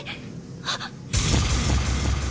あっ。